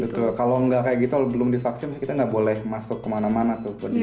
betul kalau nggak kayak gitu belum divaksin kita nggak boleh masuk kemana mana tuh